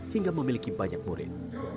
hingga memiliki banyak murid